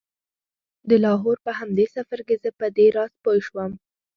د لاهور په همدې سفر کې زه په دې راز پوی شوم.